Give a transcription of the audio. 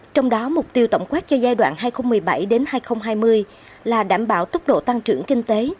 trong đó mục tiêu tổng quát cho giai đoạn hai nghìn một mươi bảy hai nghìn hai mươi là đảm bảo tốc độ tăng trưởng kinh tế